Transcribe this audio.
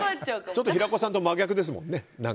ちょっと平子さんと真逆ですよね。